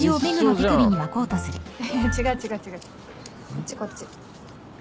こっちこっち。